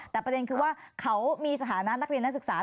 แต่ประเด็นคือว่าเขามีสถานะนักเรียนนักศึกษา